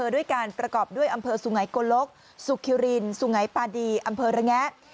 ด้วยการประกอบด้วยอำเภอสุไงโกลกสุขิรินสุงัยปาดีอำเภอระแงะ